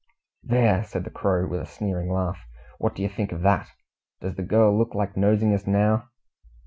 "There!" said the Crow, with a sneering laugh, "what do you think of that? Does the girl look like nosing us now?"